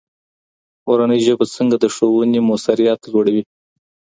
مورنۍ ژبه څنګه د ښوونې موثريت لوړوي؟